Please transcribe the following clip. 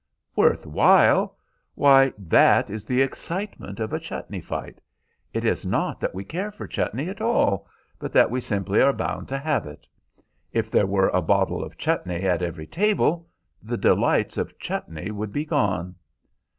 "Worth while? Why, that is the excitement of a chutney fight. It is not that we care for chutney at all, but that we simply are bound to have it. If there were a bottle of chutney at every table, the delights of chutney would be gone.